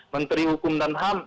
menteri hukum dan ham